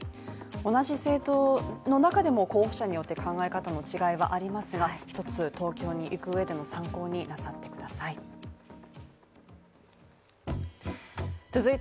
同じ政党の中でも候補者によって考え方の違いはありますがひとつ投票に行くうえでの参考になさってください。